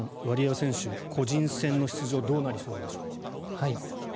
ワリエワ選手個人戦の出場はどうなりそうでしょうか？